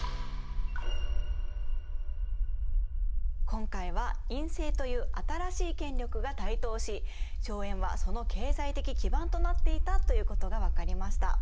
今回は院政という新しい権力が台頭し荘園はその経済的基盤となっていたということが分かりました。